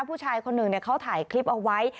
ผู้ชายคนหนึ่งเขาถ่ายคลิปเอาไว้